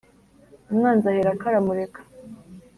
Umwanzi aherako aramureka